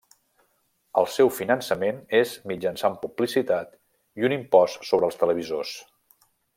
El seu finançament és mitjançant publicitat i un impost sobre els televisors.